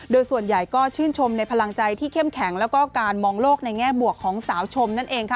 โดยส่วนใหญ่ก็ชื่นชมในพลังใจที่เข้มแข็งแล้วก็การมองโลกในแง่บวกของสาวชมนั่นเองค่ะ